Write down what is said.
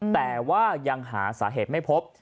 แต่ว่ายังหาสาเหตุไม่พบ